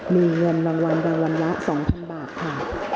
มีเงินรางวัลรางวัลละ๒๐๐๐บาทค่ะ